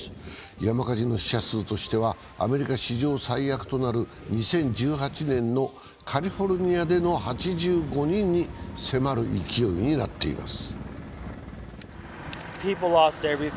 山火事の死者数としてはアメリカ史上最悪となる２０１８年のカリフォルニアでの８５人に迫る勢いになっています。